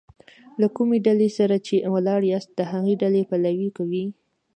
له کومي ډلي سره چي ولاړ یاست؛ د هغي ډلي پلوي کوئ!